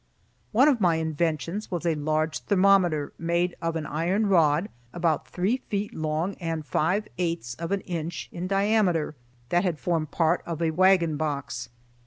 One of my inventions was a large thermometer made of an iron rod, about three feet long and five eighths of an inch in diameter, that had formed part of a wagon box.